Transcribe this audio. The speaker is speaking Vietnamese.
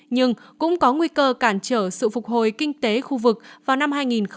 nhưng cũng có nguy cơ cản trở sự phục hồi kinh tế khu vực vào năm hai nghìn hai mươi